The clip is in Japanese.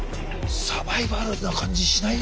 サバイバルな感じしないよ？